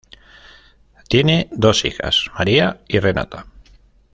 Tiene dos hijas, María y Renata.